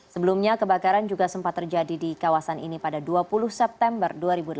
sebelumnya kebakaran juga sempat terjadi di kawasan ini pada dua puluh september dua ribu delapan belas